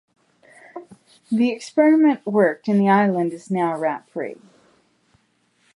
The experiment worked and the island is now rat-free.